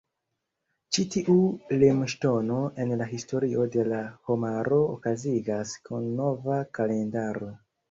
Ĉi tiu limŝtono en la historio de la homaro okazigas kun nova kalendaro.